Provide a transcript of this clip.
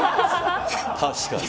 確かに。